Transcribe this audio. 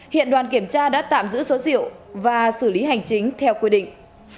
hiện đoàn kiểm tra đã tạm giữ số rượu và xử lý hành chính theo quy định